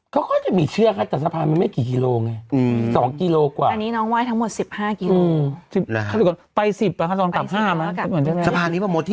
เขาก็จะมีเชื้อคัดแต่ซะพารตรงกี้กิโล